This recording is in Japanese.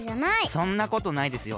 そんなことないですよ。